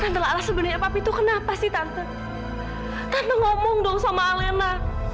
tante laras sebenarnya papi itu kenapa sih tante tante ngomong dong sama alena